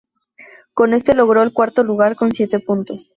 Con esto logró el cuarto lugar con siete puntos.